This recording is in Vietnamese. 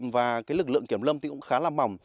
và lực lượng kiểm lâm cũng khá là mỏng